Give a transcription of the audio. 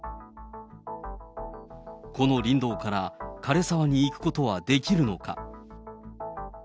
この林道から枯れ沢に行くことはできるのか。